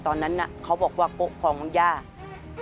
ทำไมเราต้องเป็นแบบเสียเงินอะไรขนาดนี้เวรกรรมอะไรนักหนา